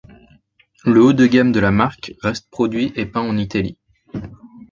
Le haut de gamme de la marque reste produit et peint en Italie.